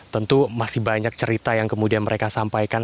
tentu masih banyak cerita yang kemudian mereka sampaikan